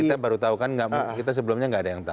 kita baru tahu kan kita sebelumnya nggak ada yang tahu